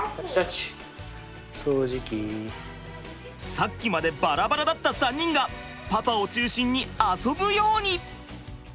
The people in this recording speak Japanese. さっきまでバラバラだった３人がパパを中心に遊ぶように！